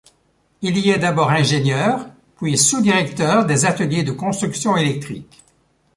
Il y est d'abord ingénieur, puis sous-directeur des ateliers de construction électrique.